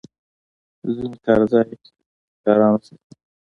زه مې کار ځای کې همکارانو سره یم.